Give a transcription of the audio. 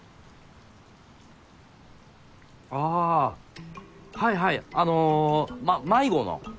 ああはいはいあの迷子の。